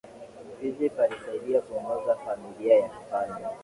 philip alisaidia kuongoza familia ya kifalme